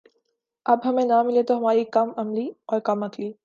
اب ہمیں نہ ملے تو ہماری کم علمی اور کم عقلی